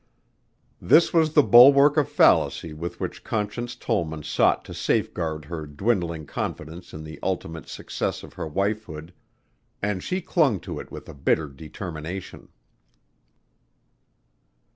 This was the bulwark of fallacy with which Conscience Tollman sought to safeguard her dwindling confidence in the ultimate success of her wifehood and she clung to it with a bitter determination.